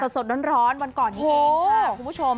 สดร้อนวันก่อนนี้เองค่ะ